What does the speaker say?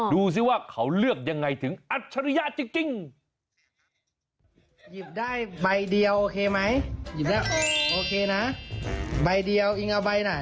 ดูสิว่าเขาเลือกยังไงถึงอัจฉริยะจริง